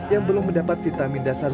yang belum mendapat vitamin dasar